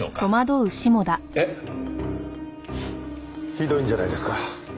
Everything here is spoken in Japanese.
ひどいんじゃないですか？